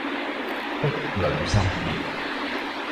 壁壘森嚴